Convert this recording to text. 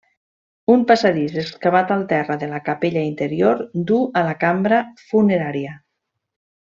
Un passadís excavat al terra de la capella interior duu a la cambra funerària.